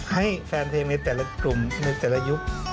ให้แฟนเพลงในแต่ละกลุ่มในแต่ละยุค